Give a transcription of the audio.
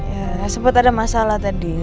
ya sempat ada masalah tadi